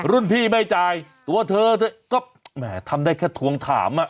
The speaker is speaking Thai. รุ่นพี่ไม่จ่ายตัวเธอเธอก็แหมทำได้แค่ทวงถามอ่ะ